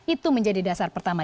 itu menjadi dasar pertama